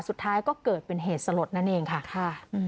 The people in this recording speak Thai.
สุดท้ายก็เกิดเป็นเหตุสลดนั่นเองค่ะ